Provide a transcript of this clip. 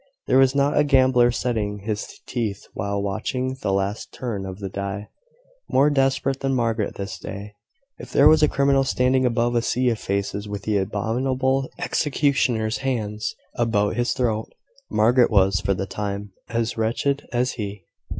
There was not a gambler setting his teeth while watching the last turn of the die, more desperate than Margaret this day. If there was a criminal standing above a sea of faces with the abominable executioner's hands about his throat, Margaret was, for the time, as wretched as he.